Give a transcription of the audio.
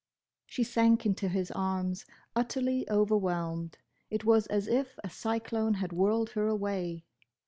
She sank into his arms, utterly overwhelmed. It was as if a cyclone had whirled her away.